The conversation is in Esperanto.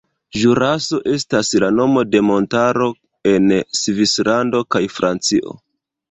Ĵuraso estas la nomo de montaro en Svislando kaj Francio.